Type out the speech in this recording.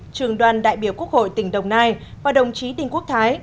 trường đoàn đại biểu quốc hội tỉnh đồng nai và đồng chí đinh quốc thái